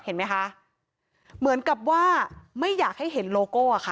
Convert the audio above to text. เห็นไหมคะเหมือนกับว่าไม่อยากให้เห็นโลโก้อ่ะค่ะ